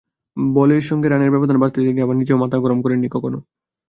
বলের সঙ্গে রানের ব্যবধান বাড়তে দেননি, আবার নিজেও মাথা গরম করেননি কখনো।